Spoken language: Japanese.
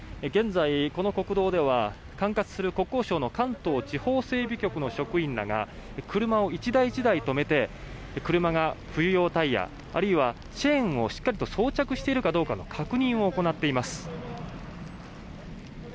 現在、この国道では管轄する国交省の関東地方整備局の職員らが車を１台１台止めて車が冬用タイヤあるいはチェーンをしっかりと装着しているかどうか確認を行っています。